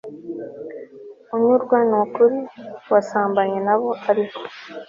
unyurwa Ni ukuri wasambanye na bo ariko